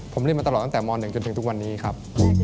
ผมเรียนมาตลอดตั้งแต่ม๑จนถึงทุกวันนี้ครับ